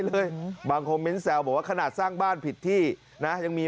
เต้าฟันเต้าฟันมันไปไหนนี่